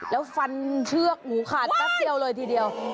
แล้วฟันเชือกหูขาดแป๊บเดียวเลยทีเดียว